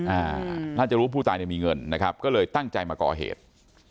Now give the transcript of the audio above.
อาน่าจะรู้ว่าผู้ตายมีเงินนะครับก็เลยตั้งใจมากอเหตุ